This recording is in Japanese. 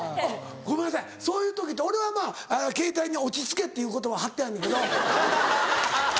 ごめんなさいそういう時って俺はまぁケータイに「落ち着け」っていう言葉貼ってあんねんけど。